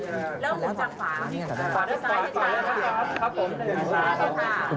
แล้วหุ้นจากขวา